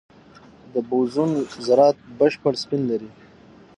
د بوزون ذرات بشپړ سپین لري.